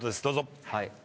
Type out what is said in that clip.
どうぞ。